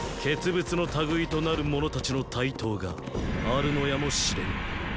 傑物の類となる者達の台頭があるのやも知れぬ。